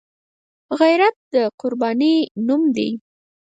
غیرت د قربانۍ نوم دی